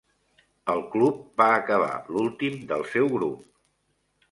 El club va acabar l'últim del seu grup.